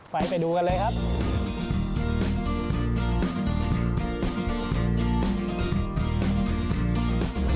ไปดูกันเลยครับ